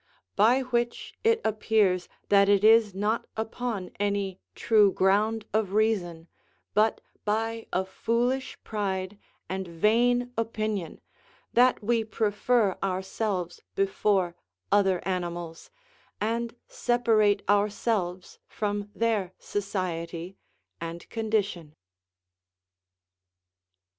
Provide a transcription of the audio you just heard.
By which it appears that it is not upon any true ground of reason, but by a foolish pride and vain opinion, that we prefer ourselves before other animals, and separate ourselves from their society and condition.